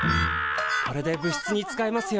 これで部室に使えますよ。